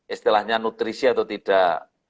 istilahnya nutrisi atau tidak